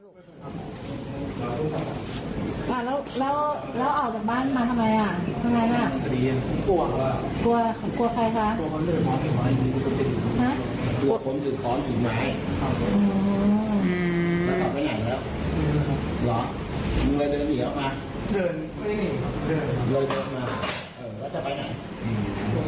จะกินเองนะครับเอาตังค์ให้มันนะครับ